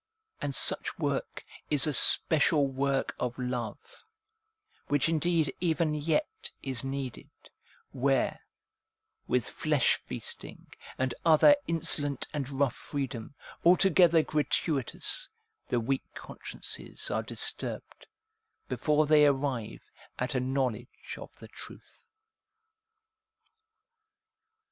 And such work is a special work of love, which indeed even yet is needed, where, with flesh feasting and other insolent and rough freedom, altogether gratuitous, the weak consciences are disturbed, before they arrive at a knowledge of the truth.